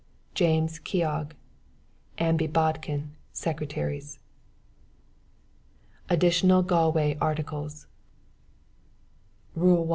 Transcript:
"JAMES KEOG, "AMBY BODKIN, Secretaries." ADDITIONAL GALWAY ARTICLES "Rule 1.